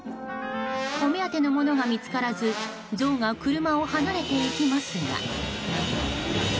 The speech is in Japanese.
お目当てのものが見つからずゾウが車を離れていきますが。